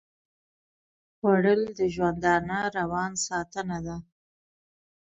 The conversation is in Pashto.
خوړل د ژوندانه روان ساتنه ده